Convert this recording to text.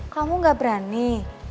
kamu gak berani